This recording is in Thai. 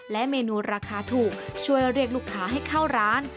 และเมนูราคาถูกช่วยเรียกลูกค้าให้เข้าร้าน